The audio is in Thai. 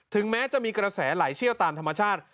แม้จะมีกระแสไหลเชี่ยวตามธรรมชาติ